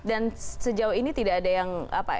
dan sejauh ini tidak ada yang